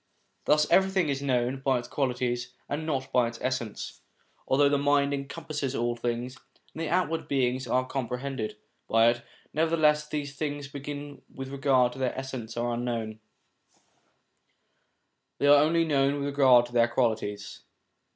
Thus everything is known by its qualities and not by its essence. Although the mind encompasses all things, and the outward beings are comprehended 255 256 SOME ANSWERED QUESTIONS by it, nevertheless these beings with regard to their essence are unknown ; they are only known with regard to their qualities.